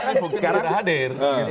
sekarang itu sekarang sudah hadir